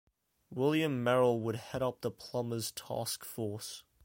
William Merril would head up the Plumbers task force.